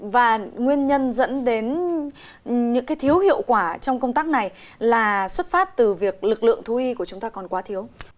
và nguyên nhân dẫn đến những cái thiếu hiệu quả trong công tác này là xuất phát từ việc lực lượng thu nhi của chúng ta còn quá thiếu